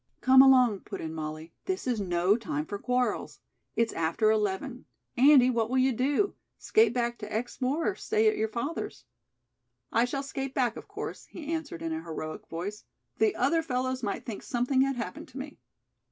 "Come along," put in Molly. "This is no time for quarrels. It's after eleven. Andy, what will you do? Skate back to Exmoor or stay at your father's?" "I shall skate back, of course," he answered in an heroic voice. "The other fellows might think something had happened to me."